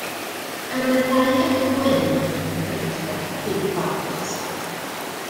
Yr oedd y ddau geffyl gwyn yn mynd yn brydferth hyd y ffordd wastad.